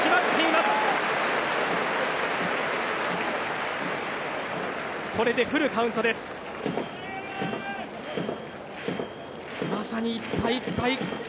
まさにいっぱいいっぱい。